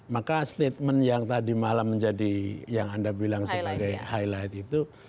maka statement yang tadi malam menjadi yang anda bilang sebagai highlight itu